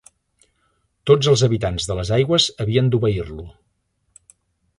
Tots els habitants de les aigües havien d'obeir-lo.